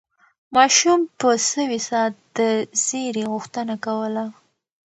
ماشوم په سوې ساه د زېري غوښتنه کوله.